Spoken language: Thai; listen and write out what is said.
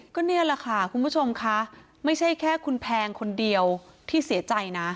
ก็นี่แหละค่ะคุณผู้ชมค่ะไม่ใช่แค่คุณแพงคนเดียวที่เสียใจนะ